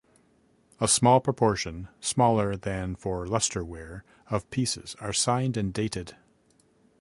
A small proportion (smaller than for lustreware) of pieces are signed and dated.